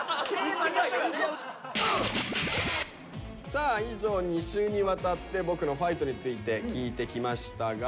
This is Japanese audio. さあ以上２週にわたって「僕のファイト」について聞いてきましたが。